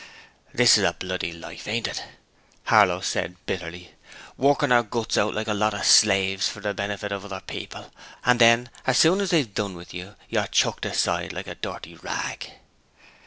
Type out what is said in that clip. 'This is a bloody life, ain't it?' Harlow said, bitterly. 'Workin' our guts out like a lot of slaves for the benefit of other people, and then as soon as they've done with you, you're chucked aside like a dirty rag.'